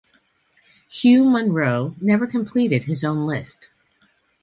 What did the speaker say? Hugh Munro never completed his own list.